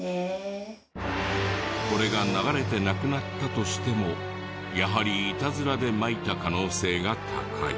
これが流れてなくなったとしてもやはりいたずらでまいた可能性が高い。